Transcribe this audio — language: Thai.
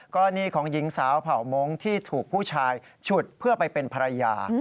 กรณีของหญิงสาวเผ่ามงค์ที่ถูกผู้ชายฉุดเพื่อไปเป็นภรรยา